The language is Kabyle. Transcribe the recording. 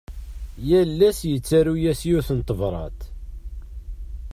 Yal ass yettaru-as yiwet n tebrat.